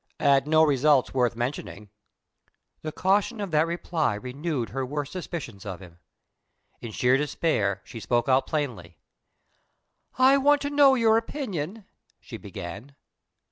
"At no results worth mentioning." The caution of that reply renewed her worst suspicions of him. In sheer despair, she spoke out plainly. "I want to know your opinion " she began.